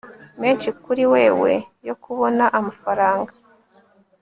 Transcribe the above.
menshi kuri wewe yo kubona amafaranga